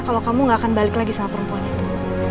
kalau kamu gak akan balik lagi sama perempuan itu